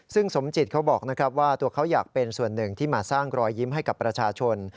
ซึ่งสมจิตเขาบอกนะครับว่าตัวเขาอยากเป็นส่วนหนึ่งที่มาสร้างรอยยิ้มให้กับประชาชน